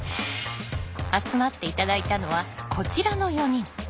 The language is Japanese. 集まって頂いたのはこちらの４人。